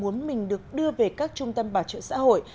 họ không hề muốn mình được đưa về các trung tâm bảo chế của xã hội